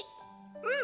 うん！